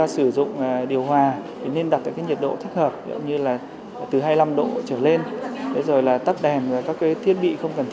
sử dụng điện trên địa bàn